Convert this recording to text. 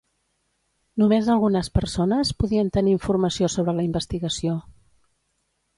Només algunes persones podien tenir informació sobre la investigació.